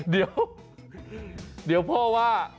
เดี๋ยวเดี๋ยวพ่อว่า